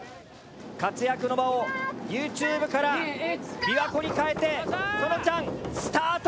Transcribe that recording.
活躍の場をＹｏｕＴｕｂｅから琵琶湖に変えてそのちゃんスタート！